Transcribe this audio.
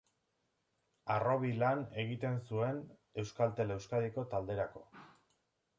Harrobi lan egiten zuen Euskaltel-Euskadi talderako.